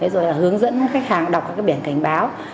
rồi hướng dẫn khách hàng đọc các biển cảnh báo